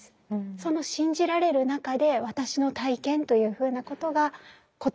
その信じられる中で私の体験というふうなことが言葉を持ち始めました。